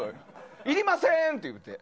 いりませんって言って。